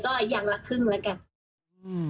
ก็อย่างละครึ่งแล้วกัน